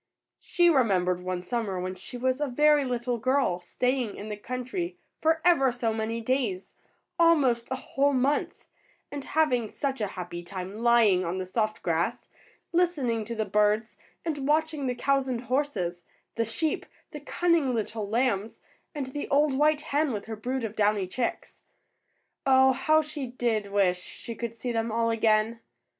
She remembered one summer, when she was a very little girl, staying in the country for ever so many days, almost a whole month, and having such a happy time lying on the soft grass, listening to the birds, and watching the cows and horses, the sheep, the cunning little lambs, and the old white hen with her brood of downy chicks. Oh, how she did wish she could see them all again!